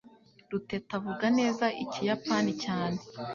Ruteta avuga neza Ikiyapani cyane.